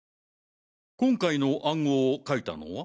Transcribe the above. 今回の暗号を書いたのは？